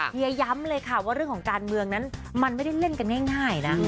เฮียย้ำเลยค่ะว่าเรื่องของการเมืองนั้นมันไม่ได้เล่นกันง่ายนะ